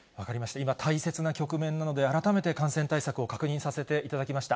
今、大切な局面なので、改めて感染対策を確認させていただきました。